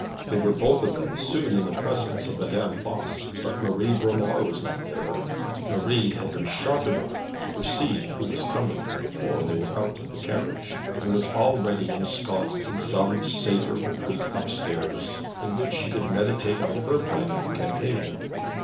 They were both of them soon in the presence of Madame Voss, but Marie Bromar was not there. Marie had been sharp enough to perceive who was coming before they were out of the carriage, and was already ensconced in some safer retreat up stairs, in which she could meditate on her plan of the campaign.